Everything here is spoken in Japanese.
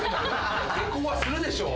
下校はするでしょう。